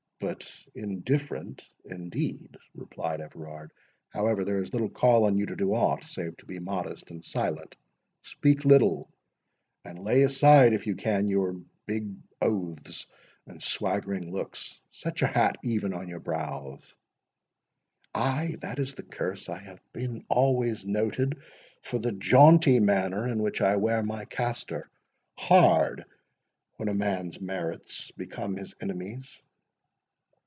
"But indifferent, indeed," replied Everard; "however, there is little call on you to do aught, save to be modest and silent. Speak little, and lay aside, if you can, your big oaths and swaggering looks—set your hat even on your brows." "Ay, that is the curse! I have been always noted for the jaunty manner in which I wear my castor—Hard when a man's merits become his enemies!"